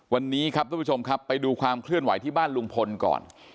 วันนี้ครับทุกผู้ชมครับไปดูความเคลื่อนไหวที่บ้านลุงพลก่อน